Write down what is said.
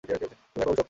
তুমি এখন অভিশপ্ত!